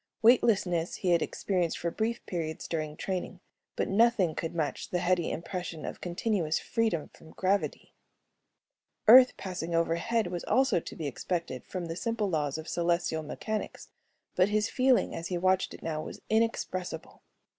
Weightlessness he had experienced for brief periods during training, but nothing could match the heady impression of continuous freedom from gravity. Earth passing overhead was also to be expected from the simple laws of celestial mechanics but his feeling as he watched it now was inexpressible.